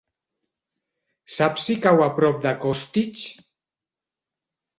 Saps si cau a prop de Costitx?